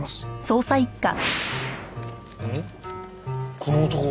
この男